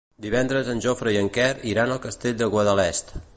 Divendres en Jofre i en Quer iran al Castell de Guadalest.